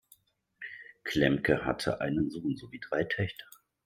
Klemke hatte einen Sohn sowie drei Töchter.